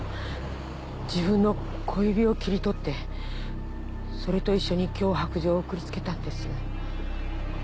自分の小指を切り取ってそれと一緒に脅迫状を送りつけたんです。